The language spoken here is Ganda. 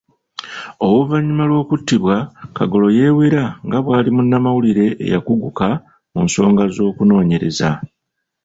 Ouvannyuma lw'okuttibwa Kagolo yeewera nga bwali munnamawulire eyakuguka mu nsonga z'okunoonyereza.